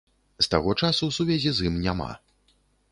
З таго часу сувязі з ім няма.